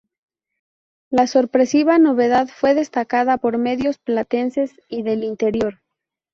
La sorpresiva novedad fue destacada por medios platenses y del interior.